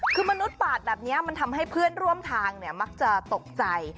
คือมนุษย์ปาดแบบนี้มันทำให้เพื่อนร่วมทางเนี่ยมักจะตกใจ